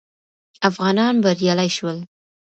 افغانان بریالي شول